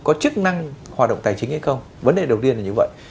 có chức năng hoạt động tài chính hay không vấn đề đầu tiên là như vậy